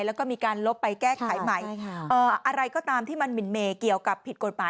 แล้วก็มีการลบไปแก้ไขใหม่อะไรก็ตามที่มันหมินเมเกี่ยวกับผิดกฎหมาย